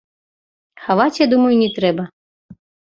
Хаваць, я думаю, не трэба.